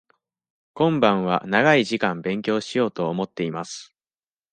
今晩は長い時間勉強しようと思っています。